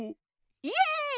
イエーイ